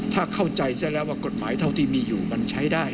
ถ้าเข้าใจซะแล้วว่ากฎหมายเท่าที่มีอยู่มันใช้ได้